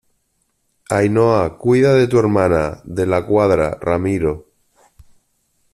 Ainhoa, cuida de tu hermana. de la Cuadra , Ramiro ,